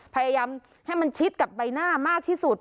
พยายามให้มันชิดกับใบหน้ามากที่สุด